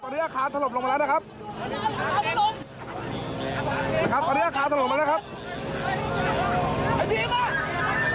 ตอนนี้อาคารถล่มลงมาแล้วนะครับตอนนี้อาคารถล่มมาแล้วครับ